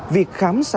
việc khám sửa